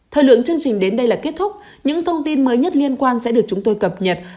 thời lượng chương trình đến đây là kết thúc những thông tin mới nhất liên quan sẽ được chúng tôi cập nhật